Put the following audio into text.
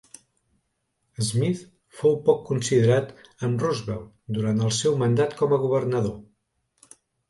Smith fou poc considerat amb Roosevelt durant el seu mandat com a governador.